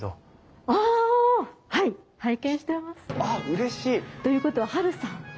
あっうれしい！ということはハルさんですよね？